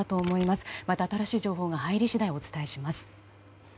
また新しい情報が入り次第お伝えします。